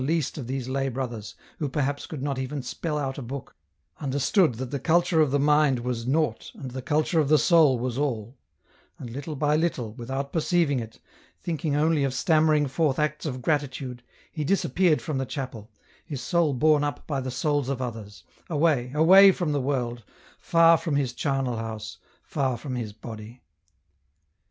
173 least of these lay brothers who perhaps could not even spell out a book, understood that the culture of the mind was naught and the culture of the soul was all, and little by little, without perceiving it, thinking only of stammering forth acts of gratitude, he disappeared from the chapel, his soul borne up by the souls of others, away, away from the world, far from his charnel house, far from his body.